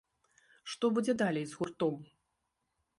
Што будзе далей з гуртом?